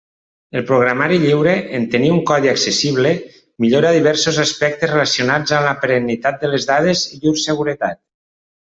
El programari lliure, en tenir un codi accessible, millora diversos aspectes relacionats amb la perennitat de les dades i llur seguretat.